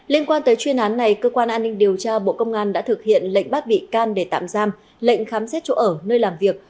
liên quan tới chuyên án này cơ quan an ninh điều tra bộ công an đã thực hiện lệnh bắt bị can để tạm giam lệnh khám xét chỗ ở nơi làm việc